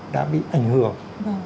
đã bị ảnh hưởng